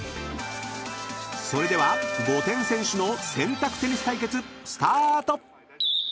［それでは５点先取のせんたくテニス対決スタート！］